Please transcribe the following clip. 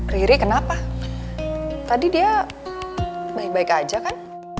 riri kenapa tadi dia baik baik aja kan